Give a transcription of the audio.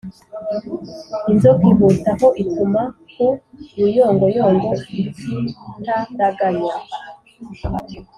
inzoka ihutaho ituma ku ruyongoyongo ikitaraganya